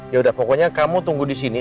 yaudah pokoknya kamu tunggu disini